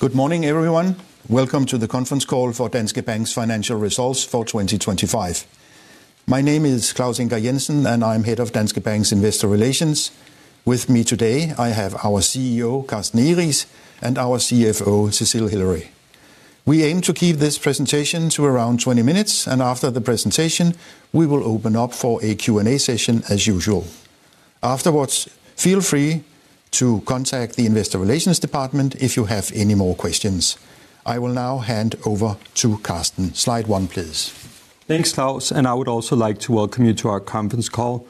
Good morning, everyone. Welcome to the conference call for Danske Bank's financial results for 2025. My name is Claus Ingar Jensen, and I'm head of Danske Bank's investor relations. With me today, I have our CEO, Carsten Egeriis, and our CFO, Cecile Hillary. We aim to keep this presentation to around 20 minutes, and after the presentation, we will open up for a Q&A session as usual. Afterwards, feel free to contact the investor relations department if you have any more questions. I will now hand over to Carsten. Slide one, please. Thanks, Claus. I would also like to welcome you to our conference call,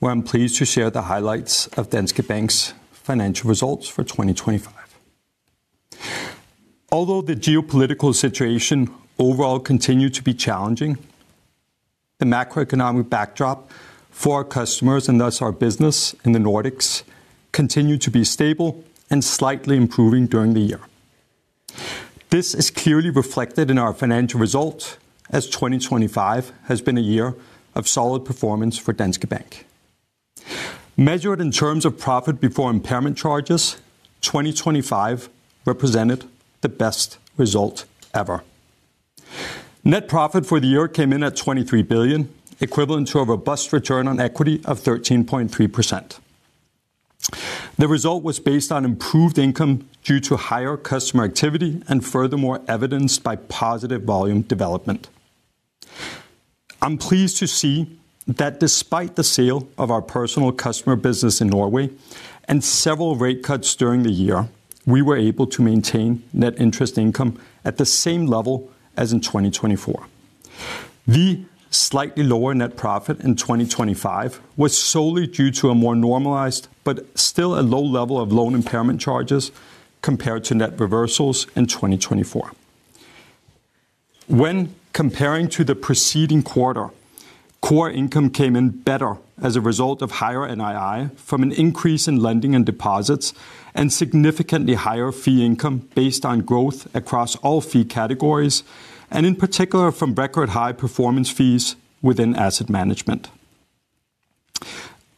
where I'm pleased to share the highlights of Danske Bank's financial results for 2025. Although the geopolitical situation overall continued to be challenging, the macroeconomic backdrop for our customers and thus our business in the Nordics continued to be stable and slightly improving during the year. This is clearly reflected in our financial result, as 2025 has been a year of solid performance for Danske Bank. Measured in terms of profit before impairment charges, 2025 represented the best result ever. Net profit for the year came in at 23 billion, equivalent to a robust return on equity of 13.3%. The result was based on improved income due to higher customer activity and, furthermore, evidenced by positive volume development. I'm pleased to see that despite the sale of our personal customer business in Norway and several rate cuts during the year, we were able to maintain net interest income at the same level as in 2024. The slightly lower net profit in 2025 was solely due to a more normalised but still a low level of loan impairment charges compared to net reversals in 2024. When comparing to the preceding quarter, core income came in better as a result of higher NII from an increase in lending and deposits and significantly higher fee income based on growth across all fee categories, and in particular from record high performance fees within asset management.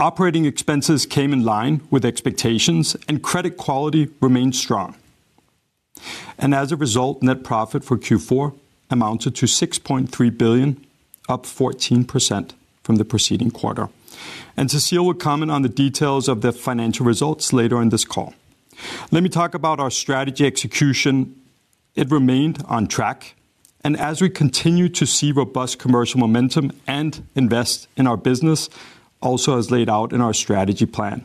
Operating expenses came in line with expectations, and credit quality remained strong. And as a result, net profit for Q4 amounted to 6.3 billion, up 14% from the preceding quarter. Cecile will comment on the details of the financial results later in this call. Let me talk about our strategy execution. It remained on track, and as we continue to see robust commercial momentum and invest in our business, also as laid out in our strategy plan.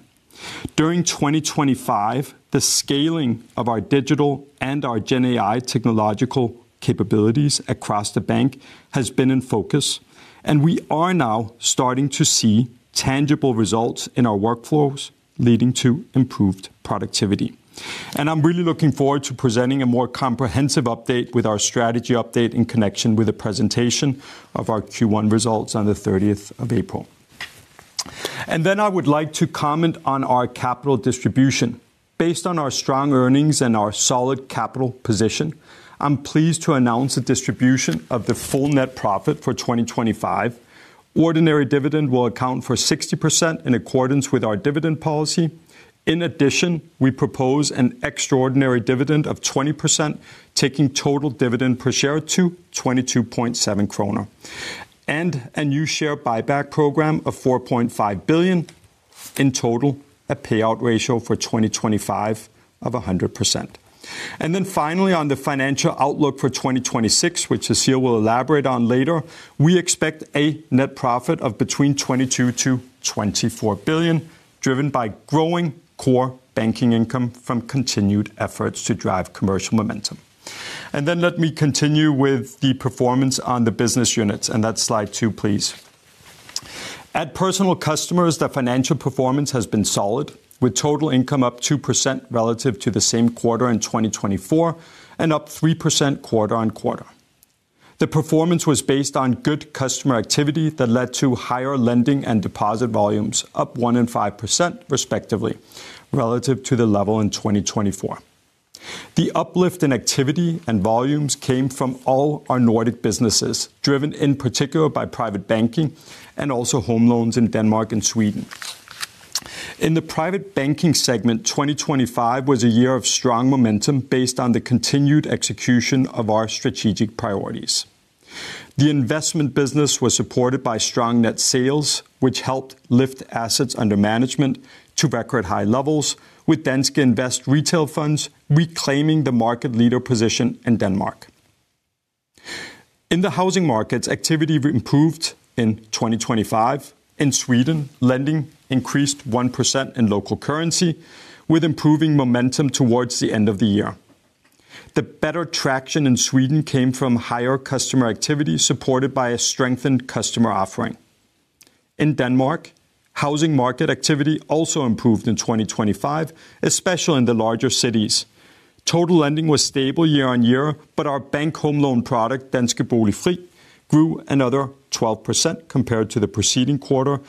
During 2025, the scaling of our digital and our GenAI technological capabilities across the bank has been in focus, and we are now starting to see tangible results in our workflows, leading to improved productivity. I'm really looking forward to presenting a more comprehensive update with our strategy update in connection with the presentation of our Q1 results on the 30th of April. Then I would like to comment on our capital distribution. Based on our strong earnings and our solid capital position, I'm pleased to announce a distribution of the full net profit for 2025. Ordinary dividend will account for 60% in accordance with our dividend policy. In addition, we propose an extraordinary dividend of 20%, taking total dividend per share to 22.7 kroner. A new share buyback program of 4.5 billion, in total a payout ratio for 2025 of 100%. Then finally, on the financial outlook for 2026, which Cecile will elaborate on later, we expect a net profit of between 22 billion to 24 billion, driven by growing core banking income from continued efforts to drive commercial momentum. Then let me continue with the performance on the business units. That's slide 2, please. At Personal Customers, the financial performance has been solid, with total income up 2% relative to the same quarter in 2024 and up 3% quarter-on-quarter. The performance was based on good customer activity that led to higher lending and deposit volumes, up 1% and 5%, respectively, relative to the level in 2024. The uplift in activity and volumes came from all our Nordic businesses, driven in particular by private banking and also home loans in Denmark and Sweden. In the private banking segment, 2025 was a year of strong momentum based on the continued execution of our strategic priorities. The investment business was supported by strong net sales, which helped lift assets under management to record high levels, with Danske Invest retail funds reclaiming the market leader position in Denmark. In the housing markets, activity improved in 2025. In Sweden, lending increased 1% in local currency, with improving momentum towards the end of the year. The better traction in Sweden came from higher customer activity supported by a strengthened customer offering. In Denmark, housing market activity also improved in 2025, especially in the larger cities. Total lending was stable year-on-year, but our bank home loan product, Danske Bolig Fri, grew another 12% compared to the preceding quarter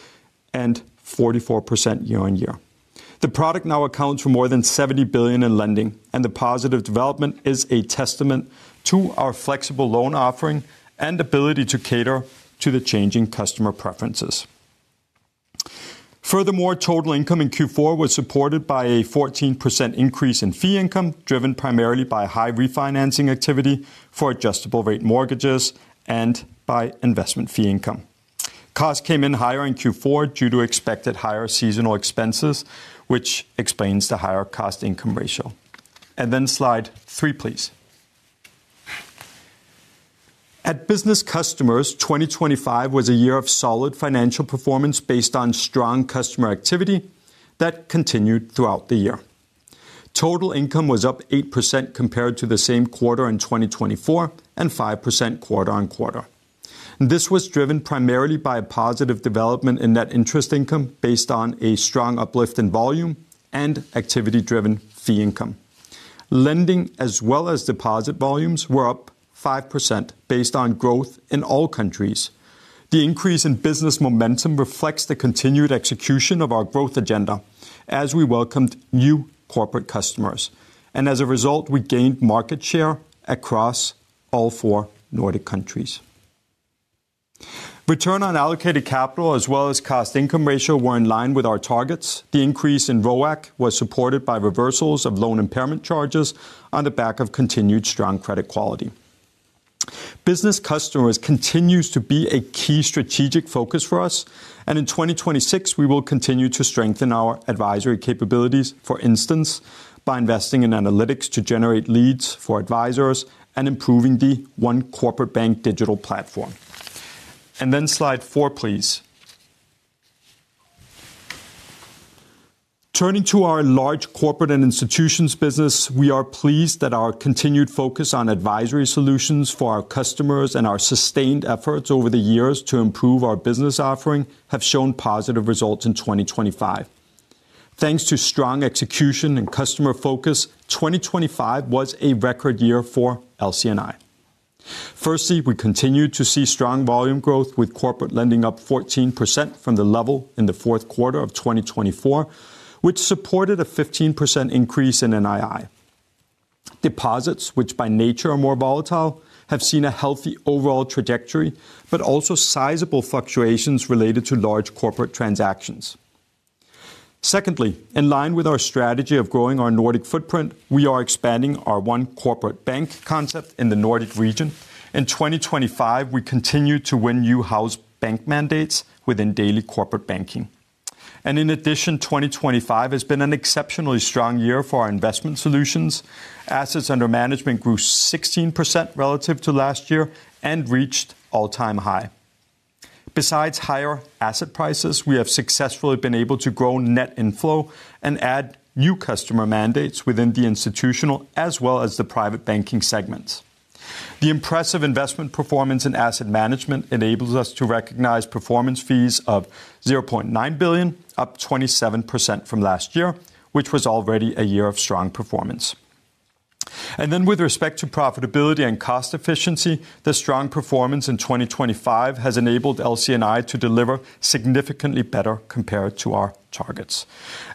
and 44% year-on-year. The product now accounts for more than 70 billion in lending, and the positive development is a testament to our flexible loan offering and ability to cater to the changing customer preferences. Furthermore, total income in Q4 was supported by a 14% increase in fee income, driven primarily by high refinancing activity for adjustable-rate mortgages and by investment fee income. Costs came in higher in Q4 due to expected higher seasonal expenses, which explains the higher cost-to-income ratio. Then slide 3, please. At Business Customers, 2025 was a year of solid financial performance based on strong customer activity that continued throughout the year. Total income was up 8% compared to the same quarter in 2024 and 5% quarter-on-quarter. This was driven primarily by a positive development in net interest income based on a strong uplift in volume and activity-driven fee income. Lending as well as deposit volumes were up 5% based on growth in all countries. The increase in business momentum reflects the continued execution of our growth agenda, as we welcomed new corporate customers. As a result, we gained market share across all four Nordic countries. Return on allocated capital as well as cost-to-income ratio were in line with our targets. The increase in ROAC was supported by reversals of loan impairment charges on the back of continued strong credit quality. Business Customers continues to be a key strategic focus for us, and in 2026 we will continue to strengthen our advisory capabilities, for instance, by investing in analytics to generate leads for advisors and improving the One Corporate Bank digital platform. Slide four, please. Turning to our Large Corporates & Institutions business, we are pleased that our continued focus on advisory solutions for our customers and our sustained efforts over the years to improve our business offering have shown positive results in 2025. Thanks to strong execution and customer focus, 2025 was a record year for LC&I. Firstly, we continue to see strong volume growth, with corporate lending up 14% from the level in the fourth quarter of 2024, which supported a 15% increase in NII. Deposits, which by nature are more volatile, have seen a healthy overall trajectory, but also sizable fluctuations related to large corporate transactions. Secondly, in line with our strategy of growing our Nordic footprint, we are expanding our One Corporate Bank concept in the Nordic region. In 2025, we continue to win new house bank mandates within daily corporate banking. In addition, 2025 has been an exceptionally strong year for our investment solutions. Assets under management grew 16% relative to last year and reached all-time high. Besides higher asset prices, we have successfully been able to grow net inflow and add new customer mandates within the institutional as well as the private banking segments. The impressive investment performance in asset management enables us to recognise performance fees of 0.9 billion, up 27% from last year, which was already a year of strong performance. With respect to profitability and cost efficiency, the strong performance in 2025 has enabled LC&I to deliver significantly better compared to our targets.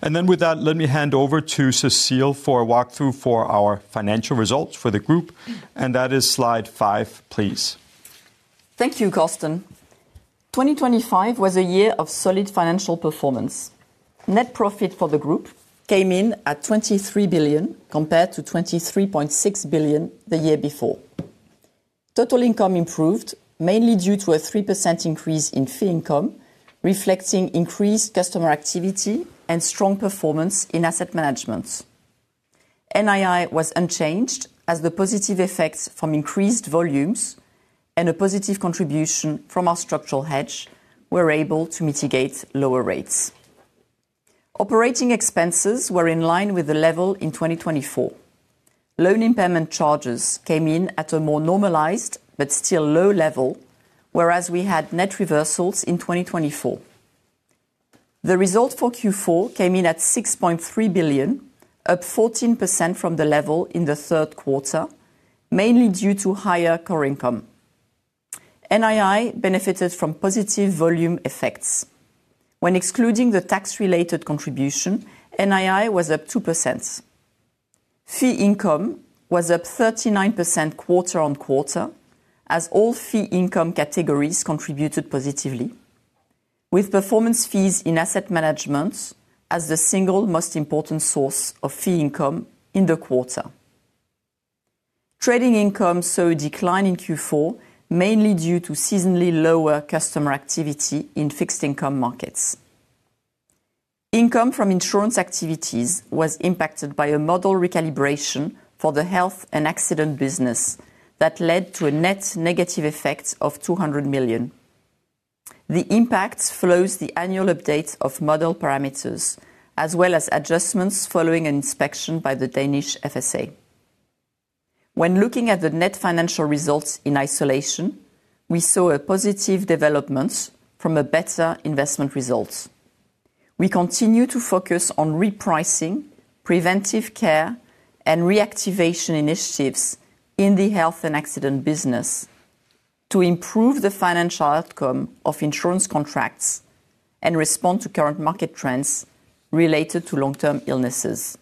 With that, let me hand over to Cecile for a walkthrough for our financial results for the group. That is slide 5, please. Thank you, Carsten. 2025 was a year of solid financial performance. Net profit for the group came in at 23 billion compared to 23.6 billion the year before. Total income improved, mainly due to a 3% increase in fee income, reflecting increased customer activity and strong performance in asset management. NII was unchanged, as the positive effects from increased volumes and a positive contribution from our structural hedge were able to mitigate lower rates. Operating expenses were in line with the level in 2024. Loan impairment charges came in at a more normalised but still low level, whereas we had net reversals in 2024. The result for Q4 came in at 6.3 billion, up 14% from the level in the third quarter, mainly due to higher core income. NII benefited from positive volume effects. When excluding the tax-related contribution, NII was up 2%. Fee income was up 39% quarter-over-quarter, as all fee income categories contributed positively, with performance fees in asset management as the single most important source of fee income in the quarter. Trading income saw a decline in Q4, mainly due to seasonally lower customer activity in fixed-income markets. Income from insurance activities was impacted by a model recalibration for the health and accident business that led to a net negative effect of 200 million. The impact follows the annual update of model parameters, as well as adjustments following an inspection by the Danish FSA. When looking at the net financial results in isolation, we saw a positive development from a better investment result. We continue to focus on repricing, preventive care, and reactivation initiatives in the health and accident business to improve the financial outcome of insurance contracts and respond to current market trends related to long-term illnesses.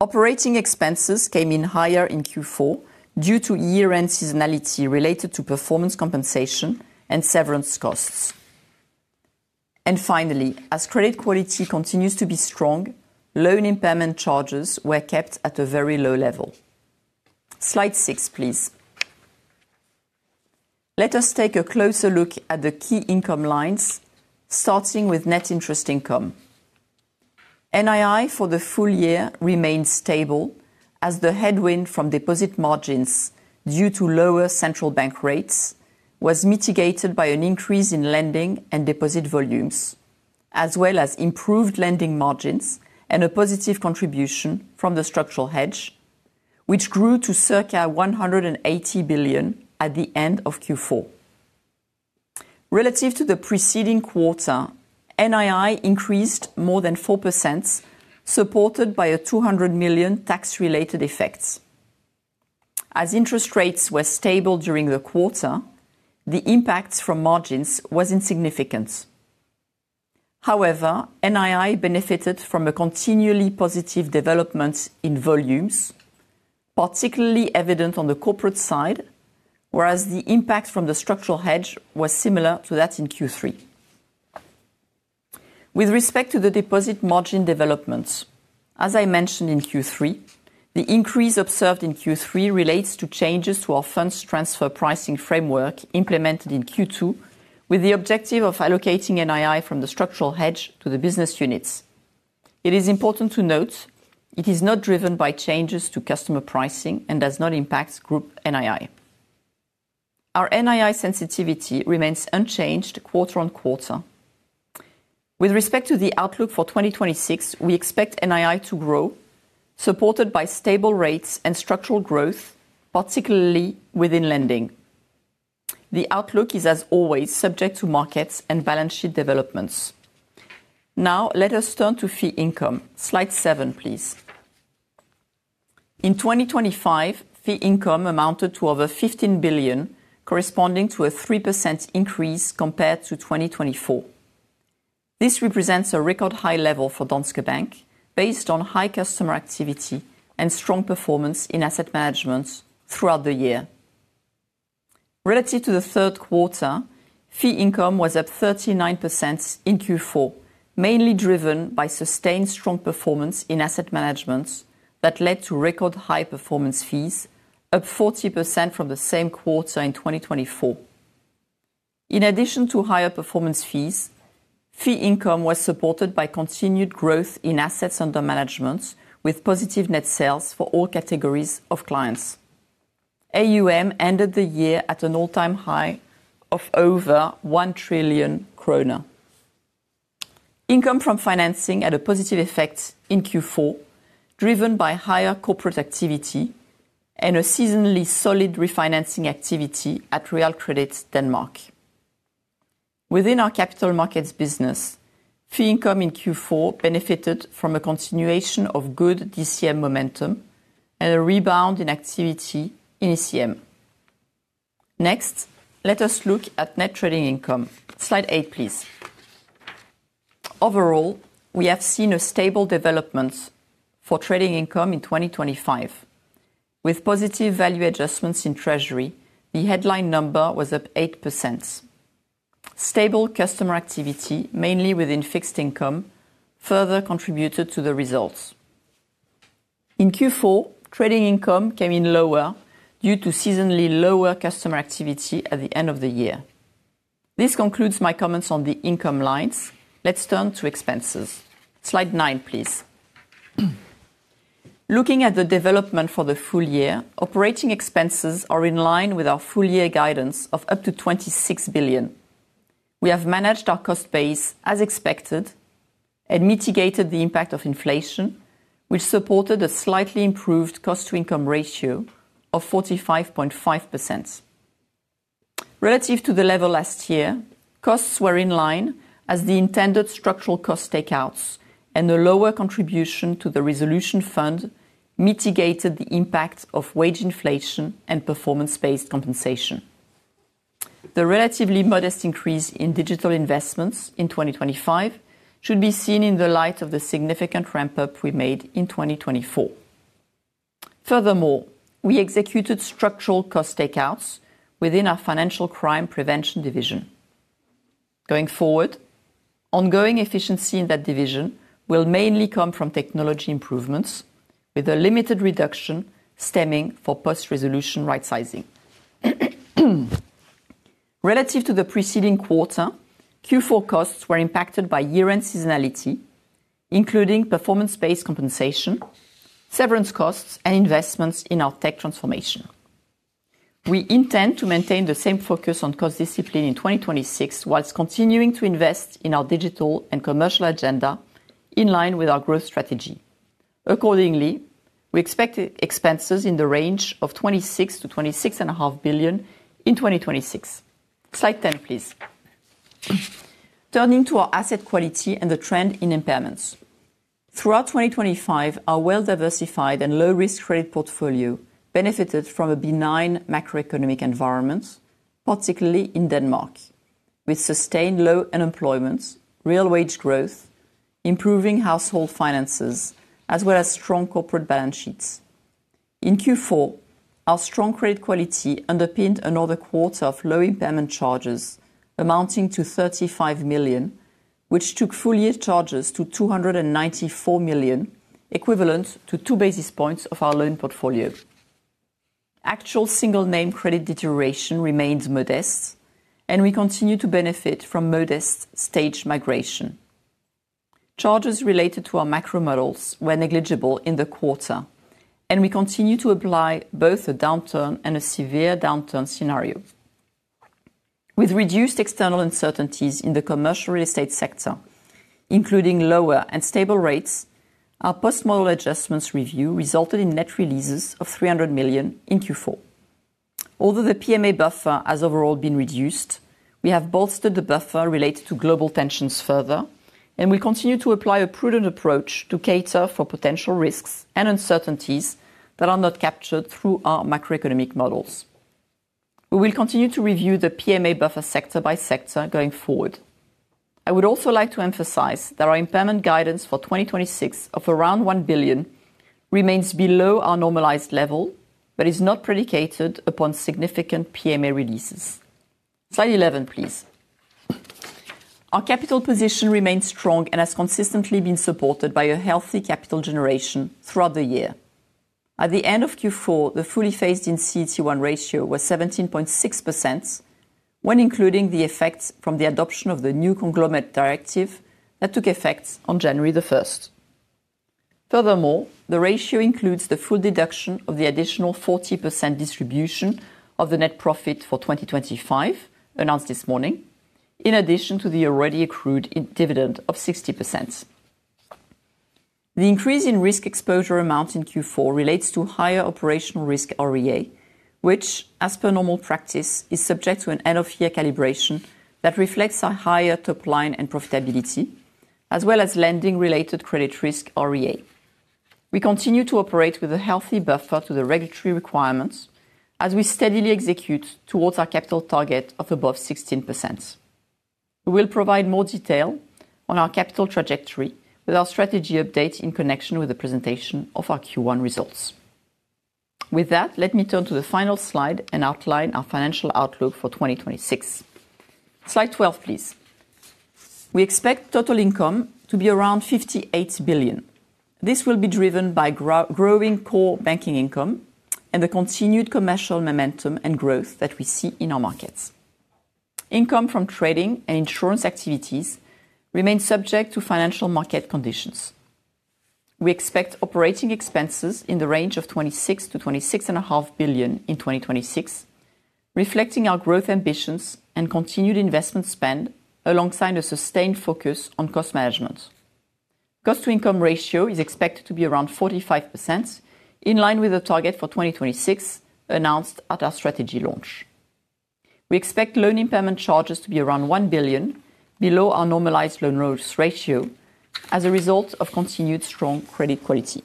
Operating expenses came in higher in Q4 due to year-end seasonality related to performance compensation and severance costs. Finally, as credit quality continues to be strong, loan impairment charges were kept at a very low level. Slide 6, please. Let us take a closer look at the key income lines, starting with net interest income. NII for the full year remained stable, as the headwind from deposit margins due to lower central bank rates was mitigated by an increase in lending and deposit volumes, as well as improved lending margins and a positive contribution from the structural hedge, which grew to circa 180 billion at the end of Q4. Relative to the preceding quarter, NII increased more than 4%, supported by a 200 million tax-related effect. As interest rates were stable during the quarter, the impact from margins was insignificant. However, NII benefited from a continually positive development in volumes, particularly evident on the corporate side, whereas the impact from the structural hedge was similar to that in Q3. With respect to the deposit margin developments, as I mentioned in Q3, the increase observed in Q3 relates to changes to our funds transfer pricing framework implemented in Q2, with the objective of allocating NII from the structural hedge to the business units. It is important to note it is not driven by changes to customer pricing and does not impact group NII. Our NII sensitivity remains unchanged quarter-over-quarter. With respect to the outlook for 2026, we expect NII to grow, supported by stable rates and structural growth, particularly within lending. The outlook is, as always, subject to markets and balance sheet developments. Now, let us turn to fee income. Slide seven, please. In 2025, fee income amounted to over 15 billion, corresponding to a 3% increase compared to 2024. This represents a record high level for Danske Bank, based on high customer activity and strong performance in asset management throughout the year. Relative to the third quarter, fee income was up 39% in Q4, mainly driven by sustained strong performance in asset management that led to record high performance fees, up 40% from the same quarter in 2024. In addition to higher performance fees, fee income was supported by continued growth in assets under management, with positive net sales for all categories of clients. AUM ended the year at an all-time high of over 1 trillion kroner. Income from financing had a positive effect in Q4, driven by higher corporate activity and a seasonally solid refinancing activity at Realkredit Danmark. Within our capital markets business, fee income in Q4 benefited from a continuation of good DCM momentum and a rebound in activity in ECM. Next, let us look at net trading income. Slide 8, please. Overall, we have seen a stable development for trading income in 2025. With positive value adjustments in Treasury, the headline number was up 8%. Stable customer activity, mainly within fixed income, further contributed to the results. In Q4, trading income came in lower due to seasonally lower customer activity at the end of the year. This concludes my comments on the income lines. Let's turn to expenses. Slide 9, please. Looking at the development for the full year, operating expenses are in line with our full-year guidance of up to 26 billion. We have managed our cost base as expected and mitigated the impact of inflation, which supported a slightly improved cost-to-income ratio of 45.5%. Relative to the level last year, costs were in line as the intended structural cost takeouts and the lower contribution to the resolution fund mitigated the impact of wage inflation and performance-based compensation. The relatively modest increase in digital investments in 2025 should be seen in the light of the significant ramp-up we made in 2024. Furthermore, we executed structural cost takeouts within our financial crime prevention division. Going forward, ongoing efficiency in that division will mainly come from technology improvements, with a limited reduction stemming from post-resolution right-sizing. Relative to the preceding quarter, Q4 costs were impacted by year-end seasonality, including performance-based compensation, severance costs, and investments in our tech transformation. We intend to maintain the same focus on cost discipline in 2026, while continuing to invest in our digital and commercial agenda in line with our growth strategy. Accordingly, we expect expenses in the range of 26 billion-26.5 billion in 2026. Slide ten, please. Turning to our asset quality and the trend in impairments. Throughout 2025, our well-diversified and low-risk credit portfolio benefited from a benign macroeconomic environment, particularly in Denmark, with sustained low unemployment, real-wage growth, improving household finances, as well as strong corporate balance sheets. In Q4, our strong credit quality underpinned another quarter of low impairment charges amounting to 35 million, which took full-year charges to 294 million, equivalent to two basis points of our loan portfolio. Actual single-name credit deterioration remains modest, and we continue to benefit from modest stage migration. Charges related to our macro models were negligible in the quarter, and we continue to apply both a downturn and a severe downturn scenario. With reduced external uncertainties in the commercial real estate sector, including lower and stable rates, our post-model adjustments review resulted in net releases of 300 million in Q4. Although the PMA buffer has overall been reduced, we have bolstered the buffer related to global tensions further, and we'll continue to apply a prudent approach to cater for potential risks and uncertainties that are not captured through our macroeconomic models. We will continue to review the PMA buffer sector by sector going forward. I would also like to emphasize that our impairment guidance for 2026 of around 1 billion remains below our normalized level but is not predicated upon significant PMA releases. Slide 11, please. Our capital position remains strong and has consistently been supported by a healthy capital generation throughout the year. At the end of Q4, the fully-phased in CET1 ratio was 17.6% when including the effects from the adoption of the new Conglomerate Directive that took effect on January 1st. Furthermore, the ratio includes the full deduction of the additional 40% distribution of the net profit for 2025 announced this morning, in addition to the already accrued dividend of 60%. The increase in risk exposure amount in Q4 relates to higher operational risk REA, which, as per normal practice, is subject to an end-of-year calibration that reflects a higher top-line and profitability, as well as lending-related credit risk REA. We continue to operate with a healthy buffer to the regulatory requirements as we steadily execute towards our capital target of above 16%. We will provide more detail on our capital trajectory with our strategy update in connection with the presentation of our Q1 results. With that, let me turn to the final slide and outline our financial outlook for 2026. Slide 12, please. We expect total income to be around 58 billion. This will be driven by growing core banking income and the continued commercial momentum and growth that we see in our markets. Income from trading and insurance activities remains subject to financial market conditions. We expect operating expenses in the range of 26 billion-26.5 billion in 2026, reflecting our growth ambitions and continued investment spend alongside a sustained focus on cost management. Cost-to-income ratio is expected to be around 45%, in line with the target for 2026 announced at our strategy launch. We expect loan impairment charges to be around 1 billion, below our normalised loan loss ratio, as a result of continued strong credit quality.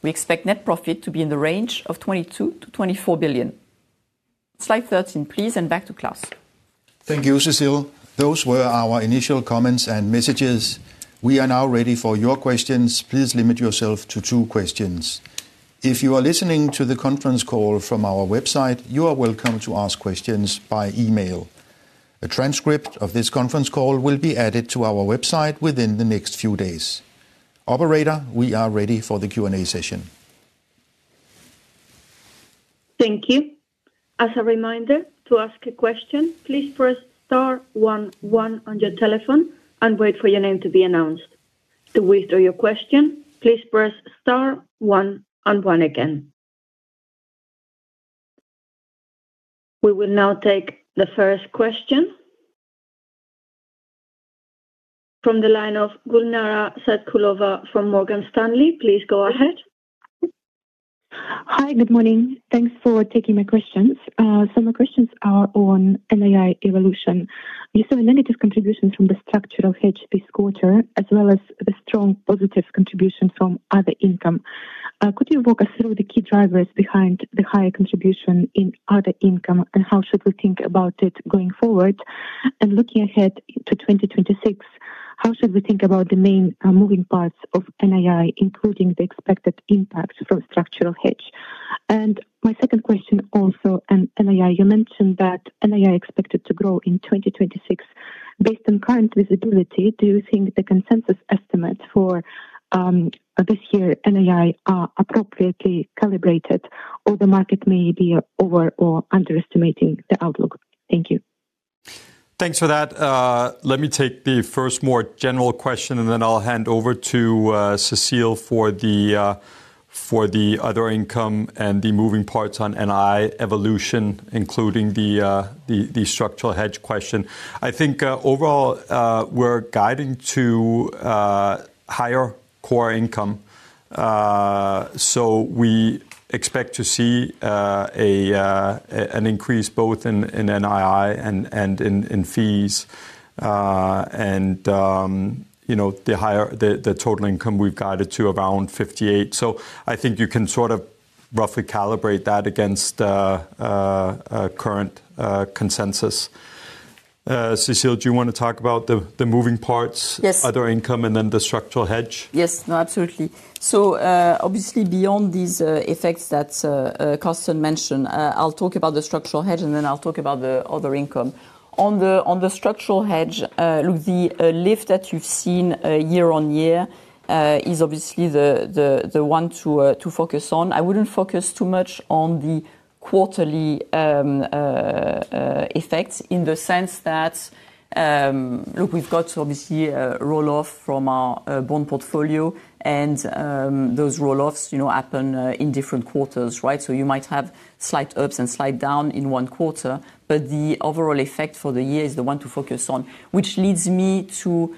We expect net profit to be in the range of 22 billion-24 billion. Slide 13, please, and back to Claus. Thank you, Cecile. Those were our initial comments and messages. We are now ready for your questions. Please limit yourself to two questions. If you are listening to the conference call from our website, you are welcome to ask questions by email. A transcript of this conference call will be added to our website within the next few days. Operator, we are ready for the Q&A session. Thank you. As a reminder, to ask a question, please press star one one on your telephone and wait for your name to be announced. To withdraw your question, please press star one one again. We will now take the first question. From the line of Gulnara Saitkulova from Morgan Stanley, please go ahead. Hi, good morning. Thanks for taking my questions. Some of my questions are on NII evolution. You saw a negative contribution from the structural hedge this quarter, as well as the strong positive contribution from other income. Could you walk us through the key drivers behind the higher contribution in other income, and how should we think about it going forward? And looking ahead to 2026, how should we think about the main moving parts of NII, including the expected impact from structural hedge? And my second question also, NII, you mentioned that NII is expected to grow in 2026. Based on current visibility, do you think the consensus estimates for this year NII are appropriately calibrated, or the market may be over or underestimating the outlook? Thank you. Thanks for that. Let me take the first more general question, and then I'll hand over to Cecile for the other income and the moving parts on NII evolution, including the structural hedge question. I think overall, we're guiding to higher core income. So we expect to see an increase both in NII and in fees. And the total income we've guided to around 58 billion. So I think you can sort of roughly calibrate that against current consensus. Cecile, do you want to talk about the moving parts, other income, and then the structural hedge? Yes. No, absolutely. So obviously, beyond these effects that Carsten mentioned, I'll talk about the structural hedge, and then I'll talk about the other income. On the structural hedge, look, the lift that you've seen year-on-year is obviously the one to focus on. I wouldn't focus too much on the quarterly effects in the sense that, look, we've got obviously a roll-off from our bond portfolio, and those roll-offs happen in different quarters, right? So you might have slight ups and slight downs in one quarter, but the overall effect for the year is the one to focus on. Which leads me to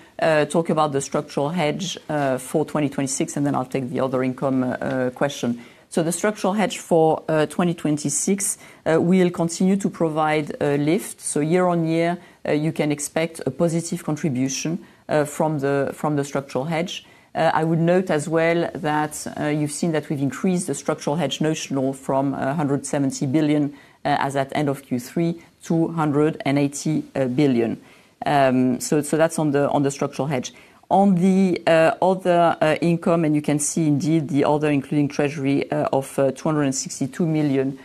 talk about the structural hedge for 2026, and then I'll take the other income question. So the structural hedge for 2026 will continue to provide a lift. So year-on-year, you can expect a positive contribution from the structural hedge. I would note as well that you've seen that we've increased the structural hedge notional from 170 billion as at end of Q3 to $180 billion. So that's on the structural hedge. On the other income, and you can see indeed the other, including Treasury, of 262 million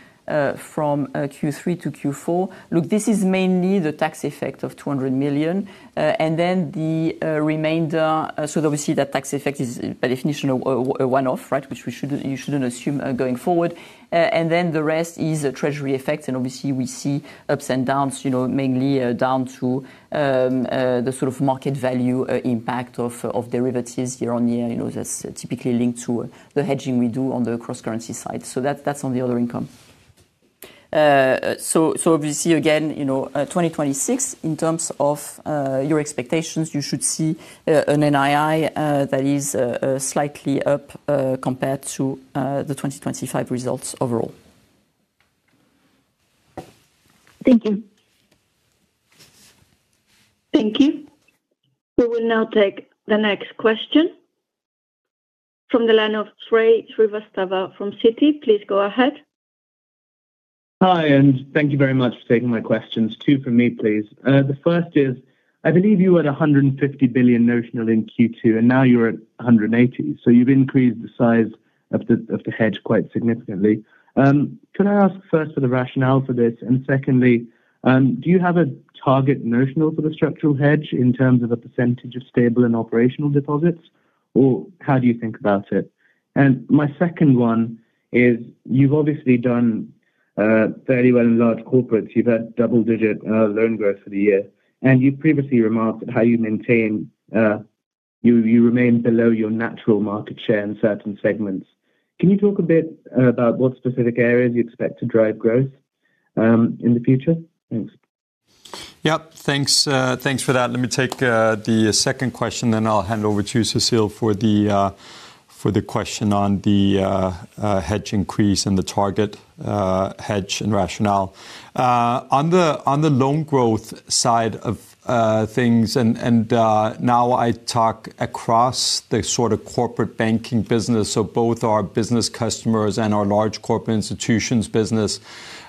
from Q3 to Q4. Look, this is mainly the tax effect of 200 million, and then the remainder. So obviously that tax effect is by definition a one-off, right, which you shouldn't assume going forward. And then the rest is a Treasury effect, and obviously we see ups and downs, mainly down to the sort of market value impact of derivatives year-on-year. That's typically linked to the hedging we do on the cross-currency side. So that's on the other income. So obviously, again, 2026, in terms of your expectations, you should see an NII that is slightly up compared to the 2025 results overall. Thank you. Thank you. We will now take the next question. From the line of Shrey Srivastava from Citi, please go ahead. Hi, and thank you very much for taking my questions. Two from me, please. The first is, I believe you were at $DKK 170 billion notional in Q2, and now you're at $180. So you've increased the size of the hedge quite significantly. Can I ask first for the rationale for this? And secondly, do you have a target notional for the structural hedge in terms of a percentage of stable and operational deposits, or how do you think about it? And my second one is, you've obviously done fairly well in large corporates. You've had double-digit loan growth for the year. And you previously remarked that how you maintain you remain below your natural market share in certain segments. Can you talk a bit about what specific areas you expect to drive growth in the future? Thanks. Yep. Thanks for that. Let me take the second question, then I'll hand over to you, Cecile, for the question on the hedge increase and the target hedge and rationale. On the loan growth side of things, and now I talk across the sort of corporate banking business, so both our Business Customers and our large corporate institutions' business,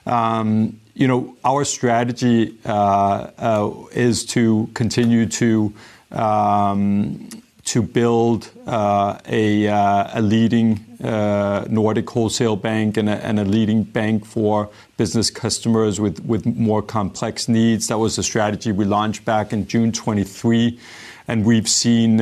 our strategy is to continue to build a leading Nordic wholesale bank and a leading bank for Business Customers with more complex needs. That was the strategy we launched back in June 2023, and we've seen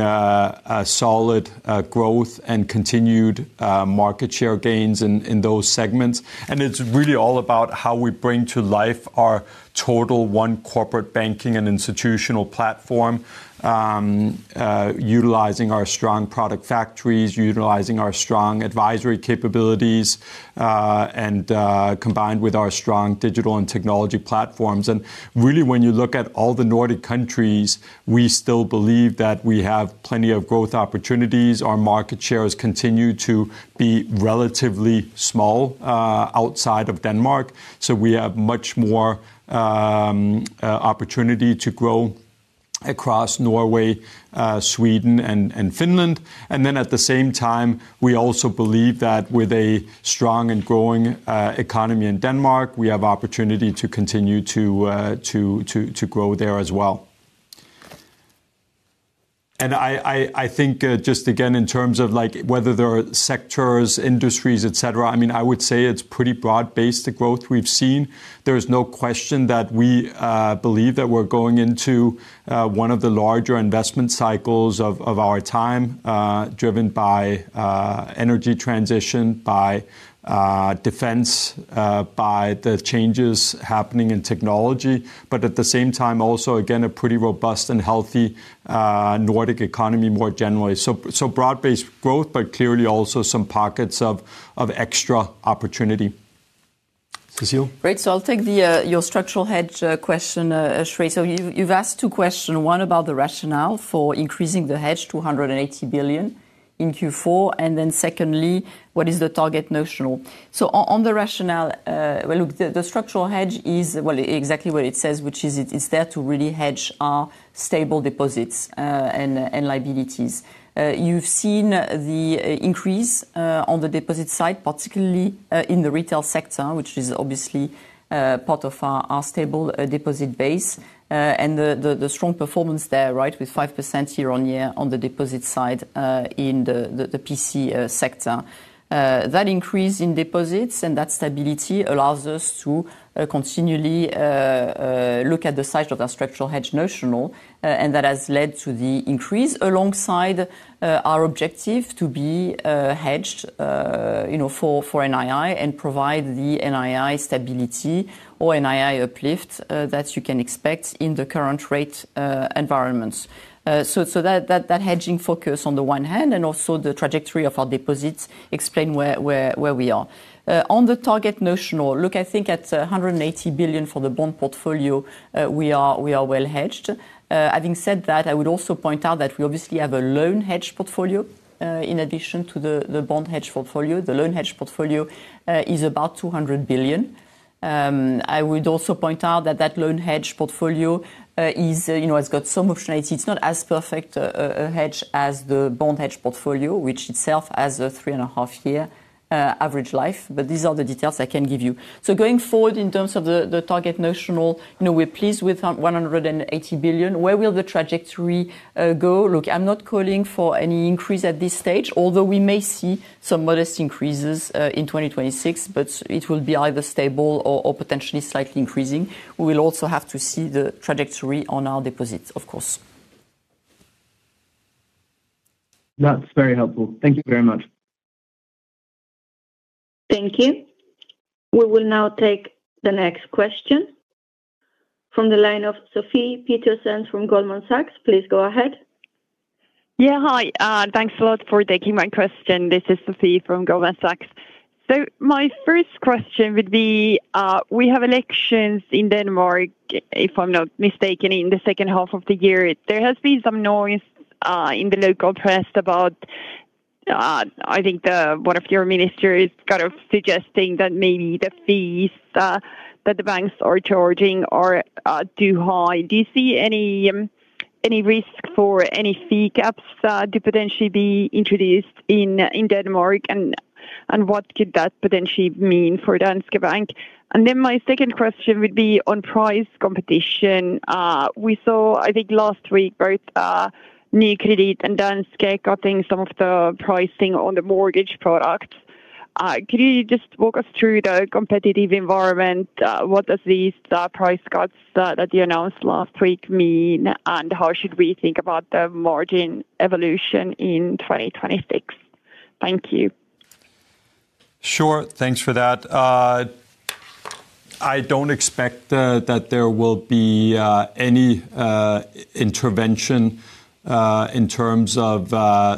solid growth and continued market share gains in those segments. It's really all about how we bring to life our total one corporate banking and institutional platform, utilizing our strong product factories, utilizing our strong advisory capabilities, and combined with our strong digital and technology platforms. And really, when you look at all the Nordic countries, we still believe that we have plenty of growth opportunities. Our market shares continue to be relatively small outside of Denmark. So we have much more opportunity to grow across Norway, Sweden, and Finland. And then at the same time, we also believe that with a strong and growing economy in Denmark, we have opportunity to continue to grow there as well. And I think just again, in terms of whether there are sectors, industries, etc., I mean, I would say it's pretty broad-based the growth we've seen. There's no question that we believe that we're going into one of the larger investment cycles of our time, driven by energy transition, by defense, by the changes happening in technology, but at the same time also, again, a pretty robust and healthy Nordic economy more generally. So broad-based growth, but clearly also some pockets of extra opportunity. Cecile? Great. So I'll take your structural hedge question, Sree. So you've asked two questions. One about the rationale for increasing the hedge, $280 billion in Q4, and then secondly, what is the target notional? So on the rationale, well, look, the structural hedge is exactly what it says, which is it's there to really hedge our stable deposits and liabilities. You've seen the increase on the deposit side, particularly in the retail sector, which is obviously part of our stable deposit base, and the strong performance there, right, with 5% year-on-year on the deposit side in the PC sector. That increase in deposits and that stability allows us to continually look at the size of our structural hedge notional, and that has led to the increase alongside our objective to be hedged for NII and provide the NII stability or NII uplift that you can expect in the current rate environments. So that hedging focus on the one hand and also the trajectory of our deposits explain where we are. On the target notional, look, I think at $180 billion for the bond portfolio, we are well hedged. Having said that, I would also point out that we obviously have a loan hedge portfolio in addition to the bond hedge portfolio. The loan hedge portfolio is about 200 billion. I would also point out that that loan hedge portfolio has got some optionality. It's not as perfect a hedge as the bond hedge portfolio, which itself has a 3.5-year average life, but these are the details I can give you. So going forward in terms of the target notional, we're pleased with $180 billion. Where will the trajectory go? Look, I'm not calling for any increase at this stage, although we may see some modest increases in 2026, but it will be either stable or potentially slightly increasing. We will also have to see the trajectory on our deposits, of course. That's very helpful. Thank you very much. Thank you. We will now take the next question. From the line of Sofie Peterzens from Goldman Sachs, please go ahead. Yeah. Hi. Thanks a lot for taking my question. This is Sofie from Goldman Sachs. So my first question would be, we have elections in Denmark, if I'm not mistaken, in the second half of the year. There has been some noise in the local press about, I think, one of your ministers kind of suggesting that maybe the fees that the banks are charging are too high. Do you see any risk for any fee caps to potentially be introduced in Denmark And what could that potentially mean for Danske Bank? And then my second question would be on price competition. We saw, I think, last week, both Nykredit and Danske cutting some of the pricing on the mortgage products. Could you just walk us through the competitive environment? What does these price cuts that you announced last week mean, and how should we think about the margin evolution in 2026? Thank you. Sure. Thanks for that. I don't expect that there will be any intervention in terms of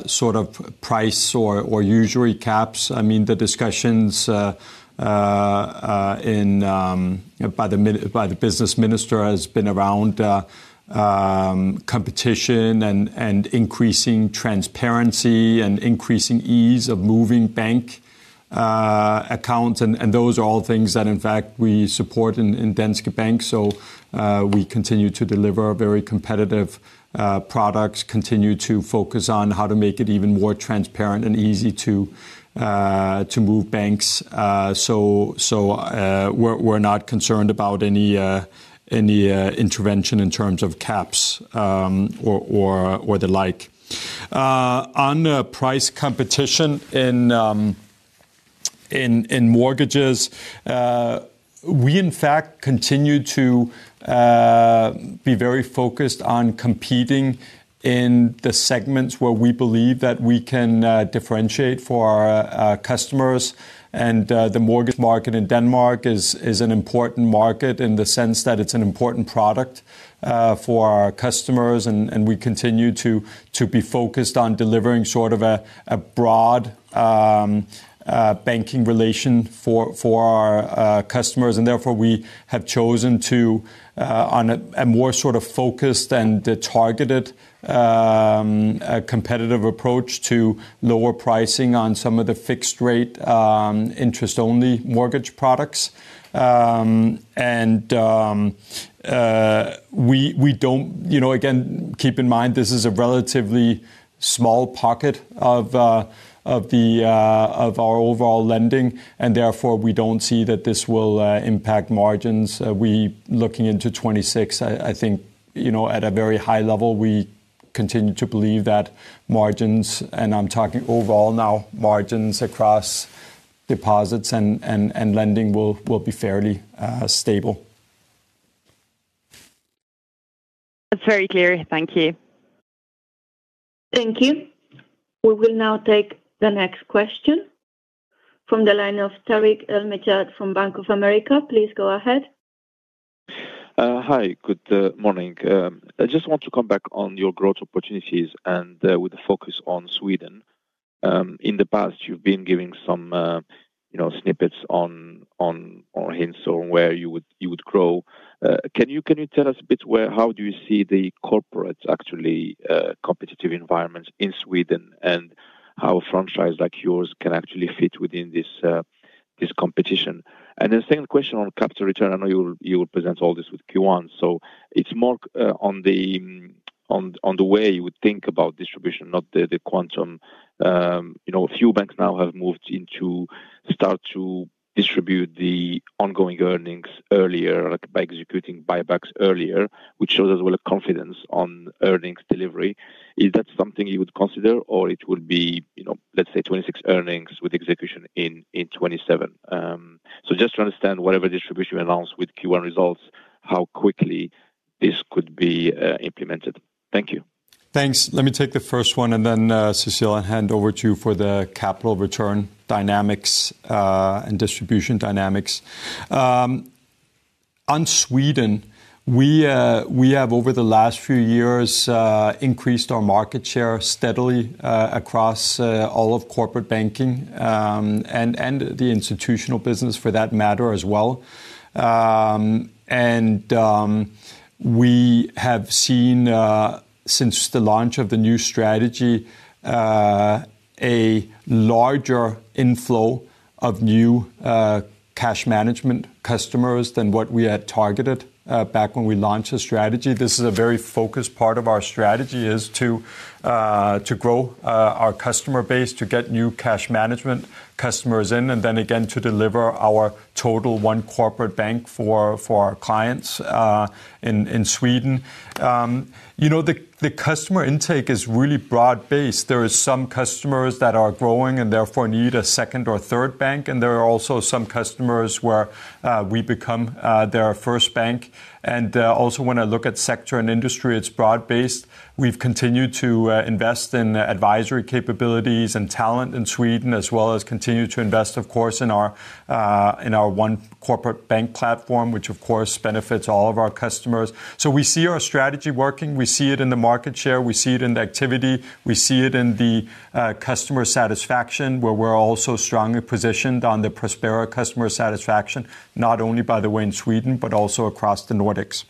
sort of price or usury caps. I mean, the discussions by the business minister have been around competition and increasing transparency and increasing ease of moving bank accounts. Those are all things that, in fact, we support in Danske Bank. We continue to deliver very competitive products, continue to focus on how to make it even more transparent and easy to move banks. We're not concerned about any intervention in terms of caps or the like. On price competition in mortgages, we, in fact, continue to be very focused on competing in the segments where we believe that we can differentiate for our customers. And the mortgage market in Denmark is an important market in the sense that it's an important product for our customers, and we continue to be focused on delivering sort of a broad banking relation for our customers. And therefore, we have chosen a more sort of focused and targeted competitive approach to lower pricing on some of the fixed-rate interest-only mortgage products. And we don't, again, keep in mind this is a relatively small pocket of our overall lending, and therefore we don't see that this will impact margins. Looking into 2026, I think at a very high level, we continue to believe that margins, and I'm talking overall now, margins across deposits and lending will be fairly stable. That's very clear. Thank you. Thank you. We will now take the next question. From the line of Tariq El Mejjad from Bank of America, please go ahead. Hi. Good morning. I just want to come back on your growth opportunities with a focus on Sweden. In the past, you've been giving some snippets or hints on where you would grow. Can you tell us a bit how do you see the corporate actually competitive environment in Sweden and how a franchise like yours can actually fit within this competition? And the second question on capital return, I know you will present all this with Q1. So it's more on the way you would think about distribution, not the quantum. A few banks now have moved into start to distribute the ongoing earnings earlier by executing buybacks earlier, which shows as well a confidence on earnings delivery. Is that something you would consider, or it would be, let's say, 2026 earnings with execution in 2027? So just to understand whatever distribution you announce with Q1 results, how quickly this could be implemented. Thank you Thanks. Let me take the first one, and then, Cecile, I'll hand over to you for the capital return dynamics and distribution dynamics. On Sweden, we have, over the last few years, increased our market share steadily across all of corporate banking and the institutional business for that matter as well. And we have seen, since the launch of the new strategy, a larger inflow of new cash management customers than what we had targeted back when we launched the strategy. This is a very focused part of our strategy is to grow our customer base, to get new cash management customers in, and then again to deliver our total One Corporate Bank for our clients in Sweden. The customer intake is really broad-based. There are some customers that are growing and therefore need a second or third bank, and there are also some customers where we become their first bank. Also, when I look at sector and industry, it's broad-based. We've continued to invest in advisory capabilities and talent in Sweden as well as continue to invest, of course, in our One Corporate Bank platform, which, of course, benefits all of our customers. So we see our strategy working. We see it in the market share. We see it in the activity. We see it in the customer satisfaction, where we're also strongly positioned on the Prospera customer satisfaction, not only by the way in Sweden but also across the Nordics.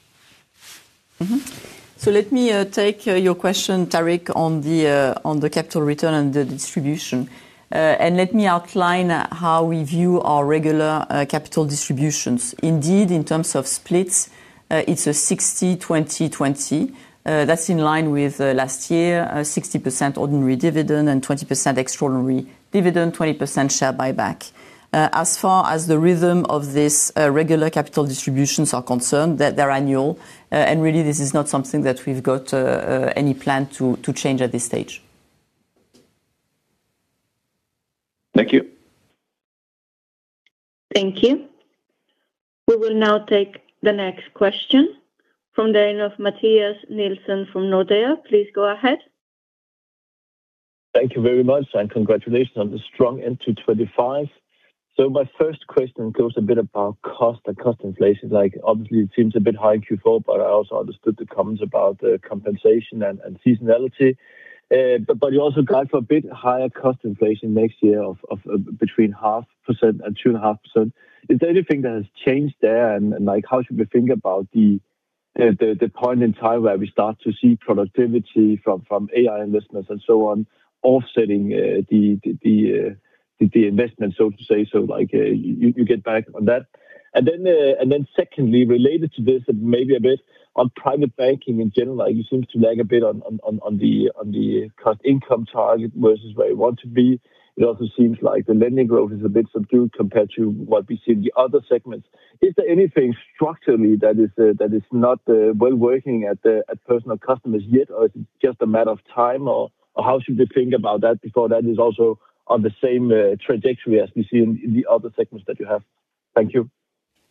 So let me take your question, Tariq, on the capital return and the distribution. Let me outline how we view our regular capital distributions. Indeed, in terms of splits, it's a 60/20/20. That's in line with last year, 60% ordinary dividend and 20% extraordinary dividend, 20% share buyback. As far as the rhythm of these regular capital distributions are concerned, they're annual, and really, this is not something that we've got any plan to change at this stage. Thank you. Thank you. We will now take the next question. From the line of Mathias Nielsen from Nordea, please go ahead. Thank you very much, and congratulations on the strong entry 2025. So my first question goes a bit about cost and cost inflation. Obviously, it seems a bit high in Q4, but I also understood the comments about compensation and seasonality. But you also got for a bit higher cost inflation next year of between 0.5% and 2.5%. Is there anything that has changed there, and how should we think about the point in time where we start to see productivity from AI investments and so on offsetting the investment, so to say? So you get back on that. And then secondly, related to this and maybe a bit on private banking in general, you seem to lag a bit on the cost income target versus where you want to be. It also seems like the lending growth is a bit subdued compared to what we see in the other segments. Is there anything structurally that is not well working at Personal Customers yet, or is it just a matter of time? Or how should we think about that before that is also on the same trajectory as we see in the other segments that you have? Thank you.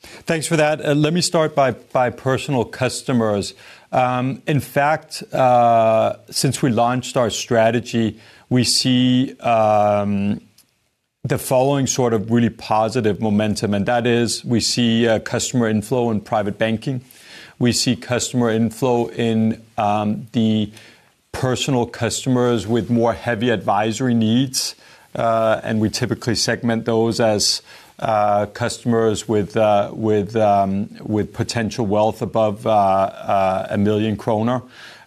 Thanks for that. Let me start by Personal Customers. In fact, since we launched our strategy, we see the following sort of really positive momentum, and that is we see customer inflow in private banking. We see customer inflow in the Personal Customers with more heavy advisory needs, and we typically segment those as customers with potential wealth above 1 million kroner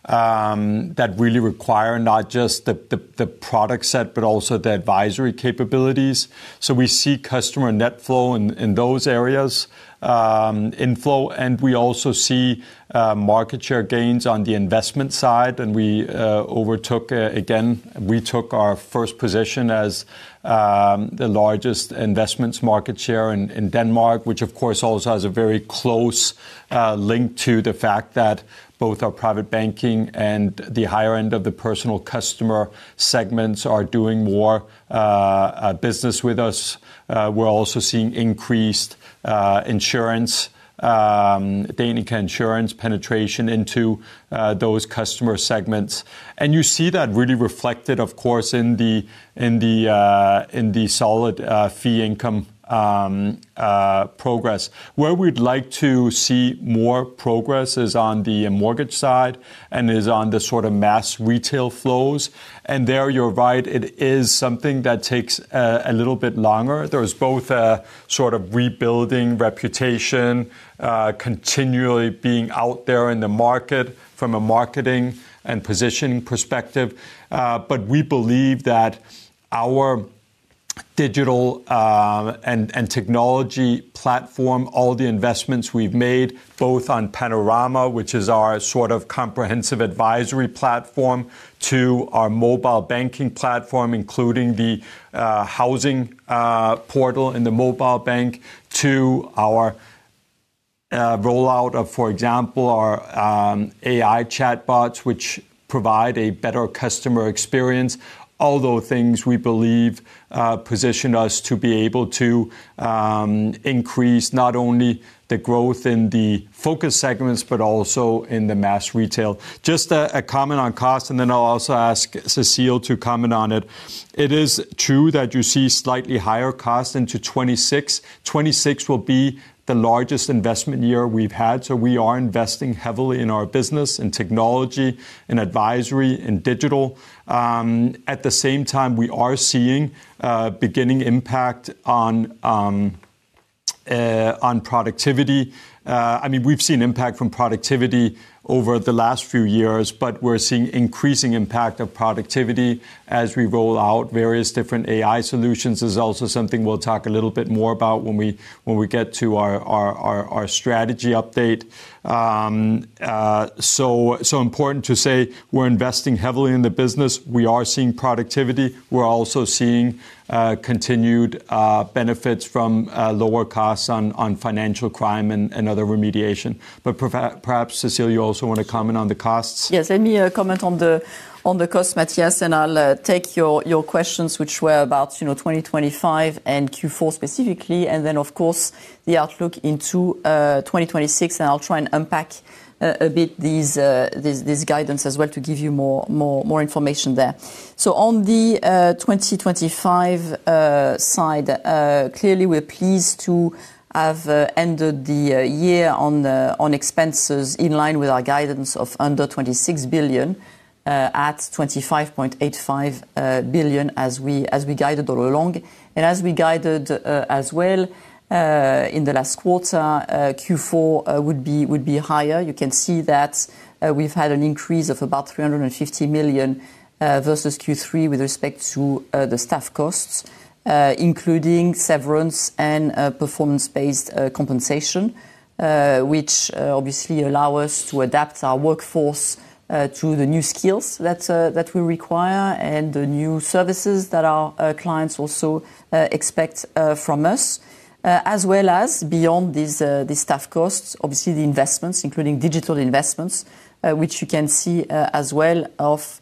that really require not just the product set but also the advisory capabilities. So we see customer net flow in those areas, inflow, and we also see market share gains on the investment side. And again, we took our first position as the largest investments market share in Denmark, which, of course, also has a very close link to the fact that both our private banking and the higher end of the personal customer segments are doing more business with us. We're also seeing increased insurance, Danica Insurance, penetration into those customer segments. And you see that really reflected, of course, in the solid fee income progress. Where we'd like to see more progress is on the mortgage side and is on the sort of mass retail flows. And there, you're right. It is something that takes a little bit longer. There's both a sort of rebuilding reputation, continually being out there in the market from a marketing and positioning perspective. But we believe that our digital and technology platform, all the investments we've made, both on Panorama, which is our sort of comprehensive advisory platform, to our mobile banking platform, including the housing portal in the mobile bank, to our rollout of, for example, our AI chatbots, which provide a better customer experience, all those things we believe position us to be able to increase not only the growth in the focus segments but also in the mass retail. Just a comment on cost, and then I'll also ask Cecile to comment on it. It is true that you see slightly higher costs into 2026. 2026 will be the largest investment year we've had. So we are investing heavily in our business, in technology, in advisory, in digital. At the same time, we are seeing beginning impact on productivity. I mean, we've seen impact from productivity over the last few years, but we're seeing increasing impact of productivity as we roll out various different AI solutions. It's also something we'll talk a little bit more about when we get to our strategy update. So important to say, we're investing heavily in the business. We are seeing productivity. We're also seeing continued benefits from lower costs on financial crime and other remediation. But perhaps, Cecile, you also want to comment on the costs. Yes. Let me comment on the costs, Mathias, and I'll take your questions, which were about 2025 and Q4 specifically, and then, of course, the outlook into 2026. I'll try and unpack a bit this guidance as well to give you more information there. So on the 2025 side, clearly, we're pleased to have ended the year on expenses in line with our guidance of under 26 billion at 25.85 billion as we guided all along. And as we guided as well in the last quarter, Q4 would be higher. You can see that we've had an increase of about 350 million versus Q3 with respect to the staff costs, including severance and performance-based compensation, which obviously allow us to adapt our workforce to the new skills that we require and the new services that our clients also expect from us, as well as beyond these staff costs, obviously, the investments, including digital investments, which you can see as well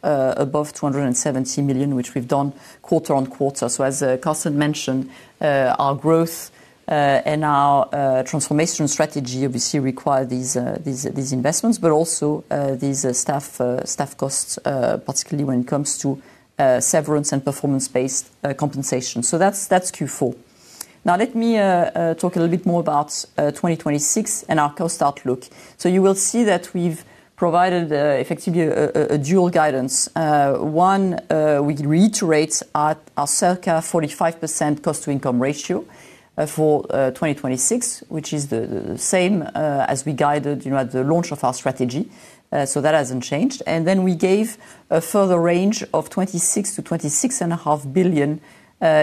above 270 million, which we've done quarter-on-quarter. So as Carsten mentioned, our growth and our transformation strategy obviously require these investments but also these staff costs, particularly when it comes to severance and performance-based compensation. So that's Q4. Now, let me talk a little bit more about 2026 and our cost outlook. So you will see that we've provided effectively a dual guidance. One, we reiterate our circa 45% cost-to-income ratio for 2026, which is the same as we guided at the launch of our strategy. So that hasn't changed. And then we gave a further range of 26 billion-26.5 billion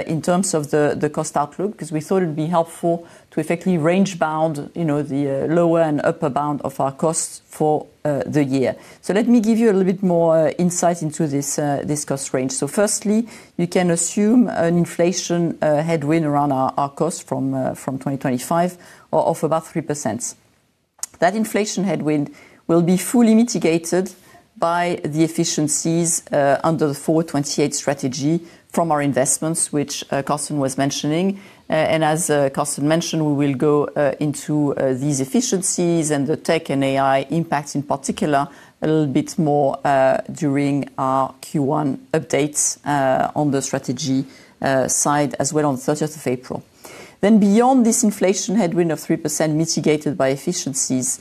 in terms of the cost outlook because we thought it would be helpful to effectively range-bound the lower and upper bound of our costs for the year. So let me give you a little bit more insight into this cost range. So firstly, you can assume an inflation headwind around our costs from 2025 of about 3%. That inflation headwind will be fully mitigated by the efficiencies under the 4/28 strategy from our investments, which Carsten was mentioning. As Carsten mentioned, we will go into these efficiencies and the tech and AI impacts in particular a little bit more during our Q1 updates on the strategy side as well on the 30th of April. Then beyond this inflation headwind of 3% mitigated by efficiencies,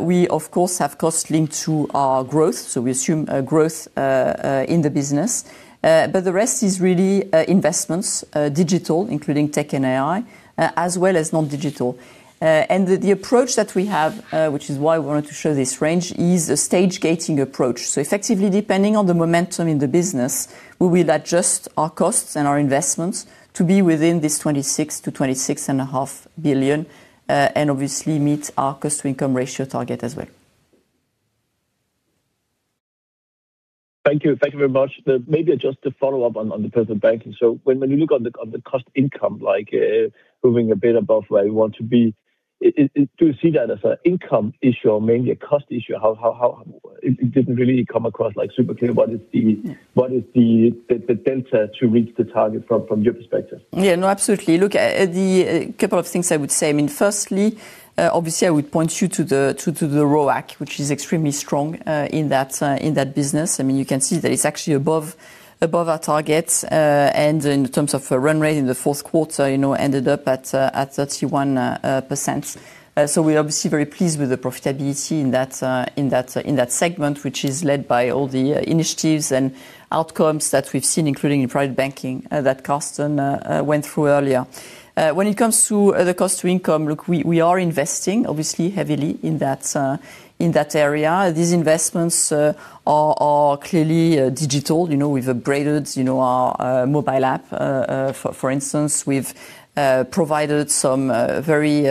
we, of course, have costs linked to our growth. So we assume growth in the business. But the rest is really investments, digital, including tech and AI, as well as non-digital. And the approach that we have, which is why we wanted to show this range, is a stage-gating approach. So effectively, depending on the momentum in the business, we will adjust our costs and our investments to be within this 26 billion-26.5 billion and obviously meet our cost-to-income ratio target as well. Thank you. Thank you very much. Maybe just to follow up on the personal banking. So when you look at the cost-to-income, moving a bit above where you want to be, do you see that as an income issue or mainly a cost issue? It didn't really come across super clear. What is the delta to reach the target from your perspective? Yeah. No, absolutely. Look, a couple of things I would say. I mean, firstly, obviously, I would point you to the ROAC, which is extremely strong in that business. I mean, you can see that it's actually above our target. And in terms of run rate in the fourth quarter, ended up at 31%. So we're obviously very pleased with the profitability in that segment, which is led by all the initiatives and outcomes that we've seen, including in private banking that Carsten went through earlier. When it comes to the cost-to-income, look, we are investing, obviously, heavily in that area. These investments are clearly digital. We've upgraded our mobile app, for instance. We've provided some very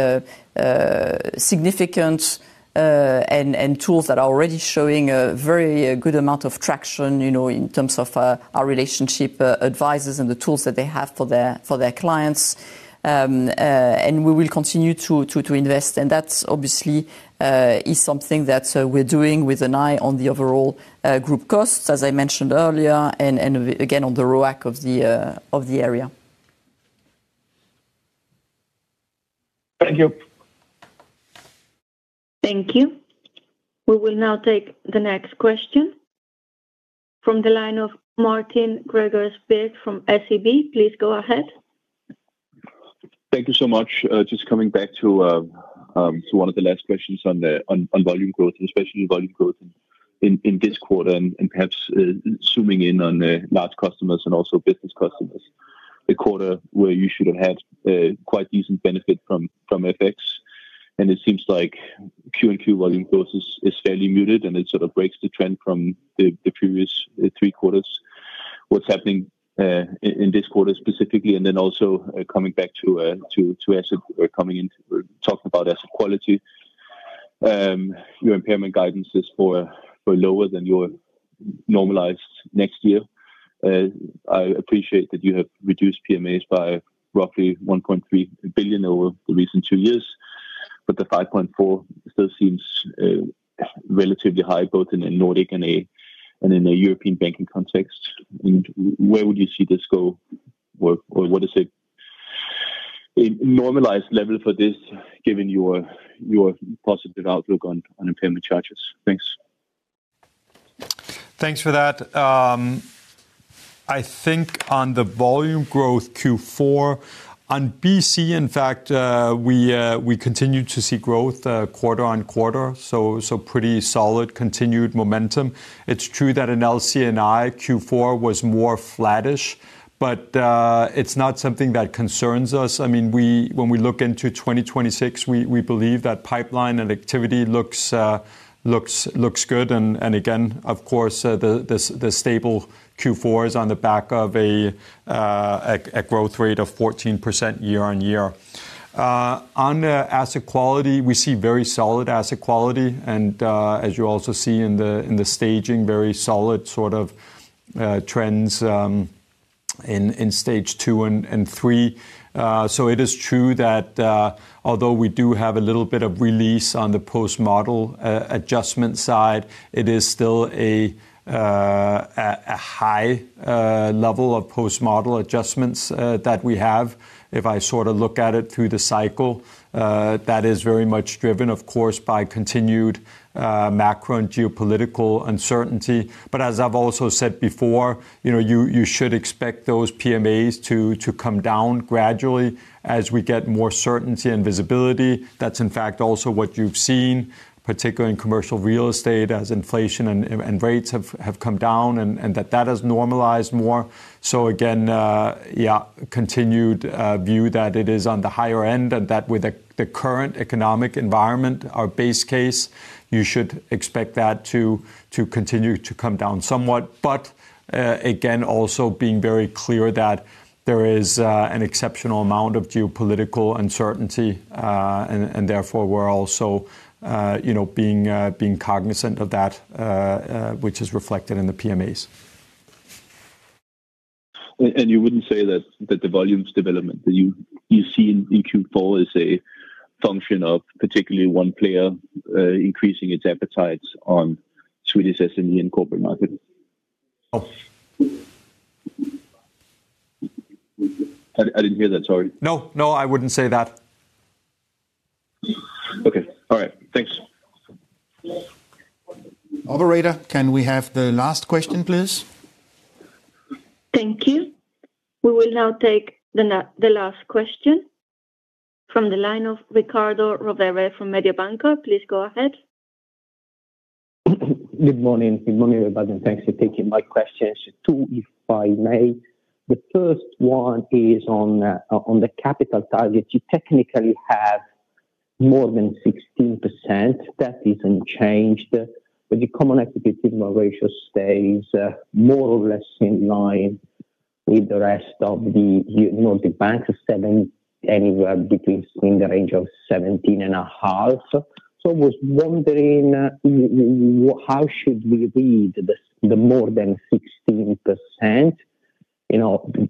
significant tools that are already showing a very good amount of traction in terms of our relationship advisors and the tools that they have for their clients. And we will continue to invest. And that obviously is something that we're doing with an eye on the overall group costs, as I mentioned earlier, and again, on the ROAC of the area. Thank you. Thank you. We will now take the next question from the line of Martin Gregers Birk from SEB. Please go ahead. Thank you so much. Just coming back to one of the last questions on volume growth, especially volume growth in this quarter and perhaps zooming in on large customers and also Business Customers. A quarter where you should have had quite decent benefit from FX. It seems like Q&Q volume growth is fairly muted, and it sort of breaks the trend from the previous 3 quarters. What's happening in this quarter specifically? And then also coming back to talking about asset quality, your impairment guidance is lower than your normalized next year. I appreciate that you have reduced PMAs by roughly 1.3 billion over the recent 2 years, but the 5.4 billion still seems relatively high, both in a Nordic and in a European banking context. And where would you see this go? Or what is a normalized level for this, given your positive outlook on impairment charges? Thanks. Thanks for that. I think on the volume growth Q4, on BC, in fact, we continue to see growth quarter-on-quarter, so pretty solid continued momentum. It's true that in LC&I, Q4 was more flattish, but it's not something that concerns us. I mean, when we look into 2026, we believe that pipeline and activity looks good. And again, of course, the stable Q4 is on the back of a growth rate of 14% year-on-year. On asset quality, we see very solid asset quality. And as you also see in the staging, very solid sort of trends in stage 2 and 3. So it is true that although we do have a little bit of release on the post-model adjustment side, it is still a high level of post-model adjustments that we have. If I sort of look at it through the cycle, that is very much driven, of course, by continued macro and geopolitical uncertainty. But as I've also said before, you should expect those PMAs to come down gradually as we get more certainty and visibility. That's, in fact, also what you've seen, particularly in commercial real estate, as inflation and rates have come down and that that has normalized more. So again, yeah, continued view that it is on the higher end and that with the current economic environment, our base case, you should expect that to continue to come down somewhat. But again, also being very clear that there is an exceptional amount of geopolitical uncertainty, and therefore, we're also being cognizant of that, which is reflected in the PMAs. And you wouldn't say that the volume's development that you see in Q4 is a function of particularly one player increasing its appetites on Swedish SME and corporate markets? No. I didn't hear that. Sorry. No. No, I wouldn't say that. Okay. All right. Thanks Operator. Can we have the last question, please? Thank you. We will now take the last question from the line of Riccardo Rovere from Mediobanca. Please go ahead. Good morning. Good morning, everybody. And thanks for taking my questions too, if I may. The first one is on the capital target. You technically have more than 16%. That is unchanged. But the Common Equity Tier 1 ratio stays more or less in line with the rest of the Nordic banks. It's anywhere between in the range of 17.5%. So I was wondering, how should we read the more than 16%?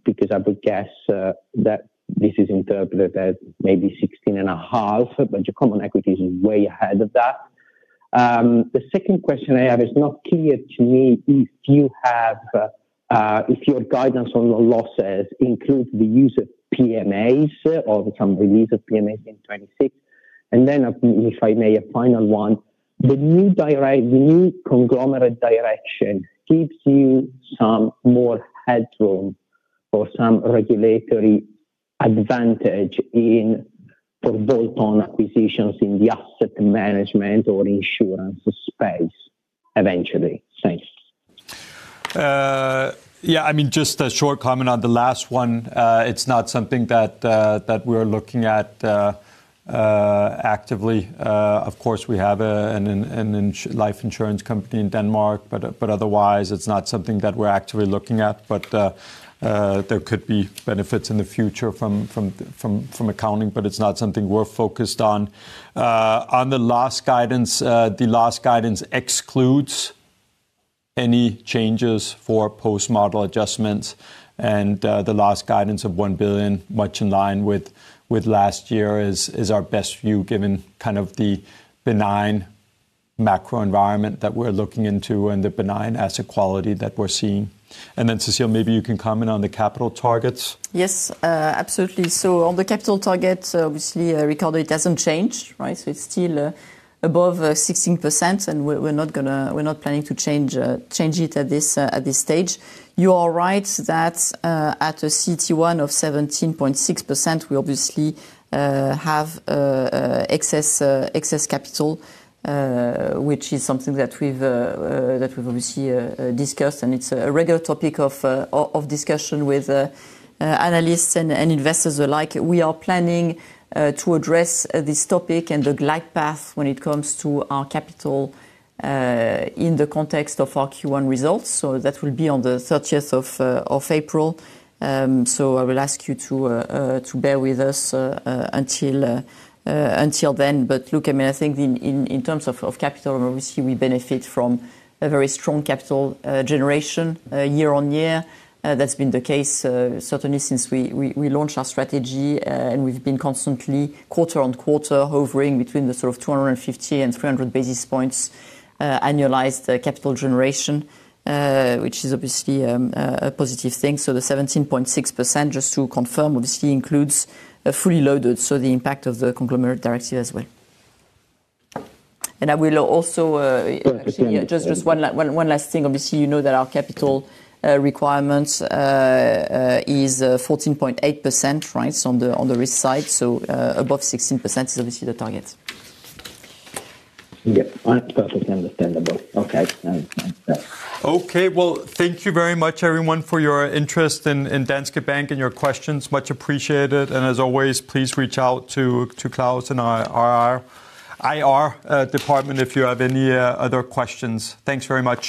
Because I would guess that this is interpreted as maybe 16.5%, but your common equity is way ahead of that. The second question I have is not clear to me if your guidance on the losses includes the use of PMAs or some release of PMAs in 2026. And then, if I may, a final one, the new Conglomerate Directive gives you some more headroom or some regulatory advantage for bolt-on acquisitions in the asset management or insurance space eventually. Thanks. Yeah. I mean, just a short comment on the last one. It's not something that we're looking at actively. Of course, we have a life insurance company in Denmark, but otherwise, it's not something that we're actively looking at. But there could be benefits in the future from accounting, but it's not something we're focused on. On the last guidance, the last guidance excludes any changes for post-model adjustments. And the last guidance of 1 billion, much in line with last year, is our best view given kind of the benign macro environment that we're looking into and the benign asset quality that we're seeing. And then, Cecile, maybe you can comment on the capital targets. Yes, absolutely. So on the capital target, obviously, Riccardo, it hasn't changed, right? So it's still above 16%, and we're not planning to change it at this stage. You are right that at a CET1 of 17.6%, we obviously have excess capital, which is something that we've obviously discussed. And it's a regular topic of discussion with analysts and investors alike. We are planning to address this topic and the glide path when it comes to our capital in the context of our Q1 results. So that will be on the 30th of April. So I will ask you to bear with us until then. But look, I mean, I think in terms of capital, obviously, we benefit from a very strong capital generation year-on-year. That's been the case, certainly since we launched our strategy. And we've been constantly, quarter-on-quarter, hovering between the sort of 250-300 basis points annualized capital generation, which is obviously a positive thing. So the 17.6%, just to confirm, obviously, includes fully loaded. So the impact of the Conglomerate Directive as well. And I will also actually, yeah, just one last thing. Obviously, you know that our capital requirement is 14.8%, right, on the risk side. So above 16% is obviously the target. Yeah. Perfectly understandable. Okay. Okay. Well, thank you very much, everyone, for your interest in Danske Bank and your questions. Much appreciated. And as always, please reach out to Claus in our IR department if you have any other questions. Thanks very much.